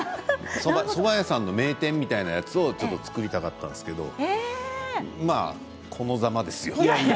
そば屋さんの名店みたいなやつをちょっと作りたかったんですけどこのざまですよ。